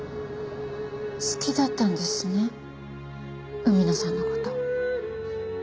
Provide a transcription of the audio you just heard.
好きだったんですね海野さんの事。